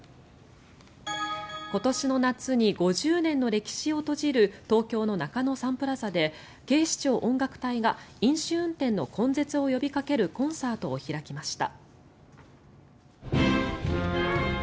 今年の夏に５０年の歴史を閉じる東京の中野サンプラザで警視庁の音楽隊が飲酒運転の根絶を呼びかけるコンサートを開きました。